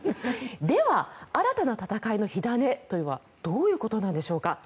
では新たな戦いの火種とはどういうことなのでしょうか。